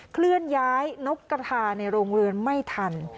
เคลื่อนย้ายนกกระทาในโรงเรือนไม่ทัน